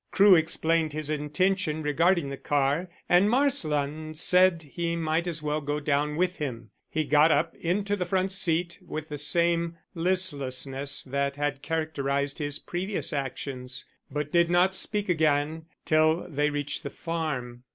Crewe explained his intention regarding the car, and Marsland said he might as well go down with him. He got up into the front seat with the same listlessness that had characterized his previous actions, but did not speak again till they reached the farm.